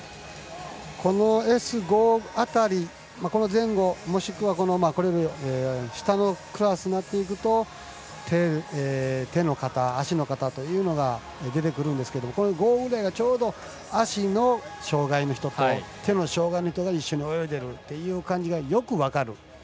このＳ５辺り、この前後もしくは、これより下のクラスになってくると手の方足の方というのが出てくるんですが５ぐらいがちょうど足の障がいの人と手の障がいの人が一緒に泳いでるという感じがよく分かる。